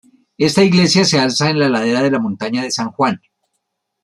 Esta iglesia se alza en la ladera de la montaña de San Juan.